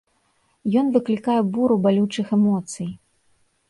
Ён выклікае буру балючых эмоцый.